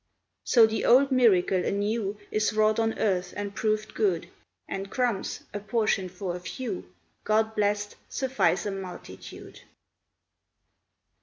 So the old miracle anew Is wrought on earth and proved good, And crumbs apportioned for a few, God blessed, suffice a multitude.